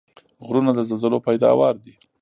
غرونه د زلزلو پیداوار دي.